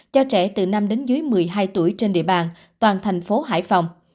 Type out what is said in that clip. cho trẻ từ năm đến dưới một mươi hai tuổi trên địa bàn toàn thành phố hải phòng